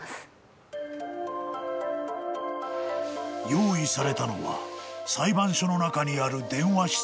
［用意されたのは裁判所の中にある電話室］